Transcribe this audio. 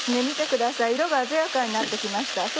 見てください色が鮮やかになって来ました。